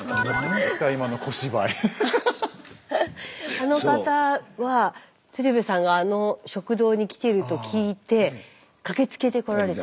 あの方は鶴瓶さんがあの食堂に来てると聞いて駆けつけてこられた。